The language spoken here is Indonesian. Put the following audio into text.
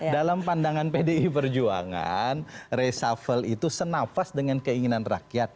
dalam pandangan pdi perjuangan reshuffle itu senafas dengan keinginan rakyat